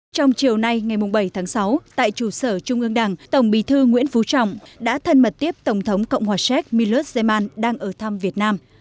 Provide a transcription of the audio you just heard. trong chiều nay ngày bảy tháng sáu tại chủ sở trung ương đảng tổng bì thư nguyễn phú trọng đã thân mật tiếp tổng thống cộng hòa séc milot zeman đang ở thăm việt nam